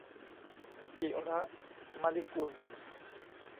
จิระ มะลิกุล